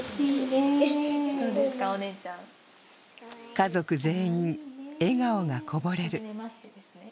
家族全員、笑顔がこぼれる。